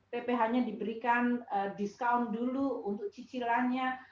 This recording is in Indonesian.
pph nya diberikan discount dulu untuk cicilannya